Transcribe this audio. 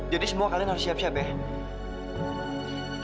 semua kalian harus siap siap ya